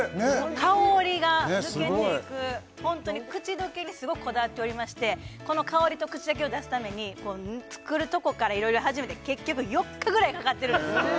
香りが抜けていくねっすごいホントに口溶けにすごくこだわっておりましてこの香りと口溶けを出すために作るとこからいろいろ始めて結局４日ぐらいかかってるんです